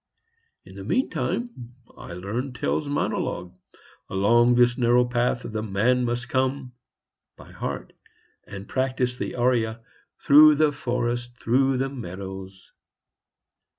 In the meantime I learned Tell's monologue, "Along this narrow path the man must come," by heart, and practised the aria, "Through the forest, through the meadows."